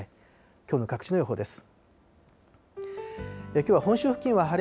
きょうの各地の予報です。